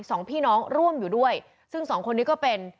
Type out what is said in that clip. สองพี่น้องร่วมอยู่ด้วยซึ่งสองคนนี้ก็เป็น